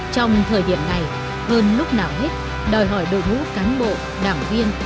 trong thời điểm này hơn lúc nào hết đòi hỏi đội ngũ cán bộ đảng viên